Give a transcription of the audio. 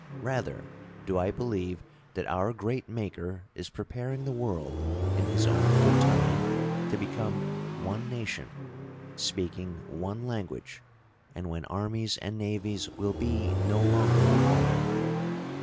Rather do I believe that our Great Maker is preparing the world, in His own good time, to become one nation, speaking one language, and when armies and navies will be no longer required.